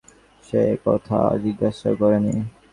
সে কথা জিজ্ঞাসাও করি নি।